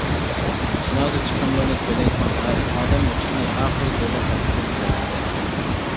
جىنازا چىقىملىرىنى تۆلەيدىغان ئادەممۇ چىقماي، ئاخىرى دۆلەت تەرىپىدىن تۆلەندى.